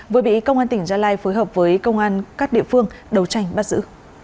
vừa bị công an tỉnh gia lai phối hợp với công an các địa phương đấu tranh bắt giữ